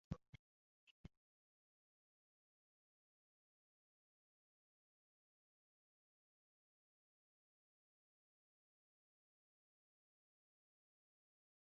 কাজেই শহীদ পরিবারের সন্তান হিসেবে আমি চাই, মুক্তিযুদ্ধ অস্বীকার অপরাধ আইন হোক।